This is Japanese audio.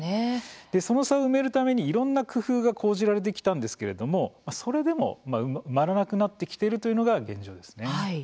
その差を埋めるためにいろんな工夫が講じられてきたんですけれどもそれでも埋まらなくなってきているというのが現状です。